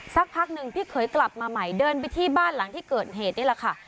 สักพักหนึ่งพี่เขยกลับมาใหม่เดินไปที่บ้านหลังที่เกิดเหตุนี่แหละค่ะ